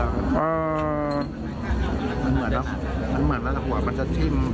เหมือนจะติมไปในเรือก็มีกระทงอยู่ด้วยใช่ไหมครับ